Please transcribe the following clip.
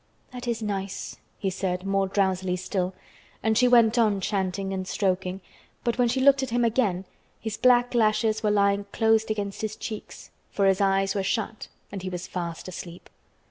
"That is nice," he said more drowsily still, and she went on chanting and stroking, but when she looked at him again his black lashes were lying close against his cheeks, for his eyes were shut and he was fast asleep.